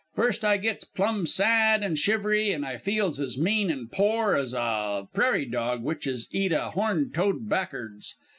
First I gits plum sad, and shivery, and I feels as mean an' pore as a prairie dog w'ich 'as eat a horned toad back'ards.